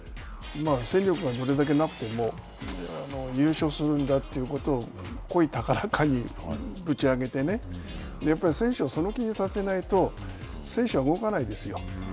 戦力がどれだけなくても優勝するんだということを声高らかにぶち上げてやっぱり選手をその気にさせないと、選手は動かないですよ。